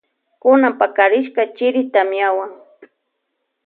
Kuna pakarishka chiri tamiawan.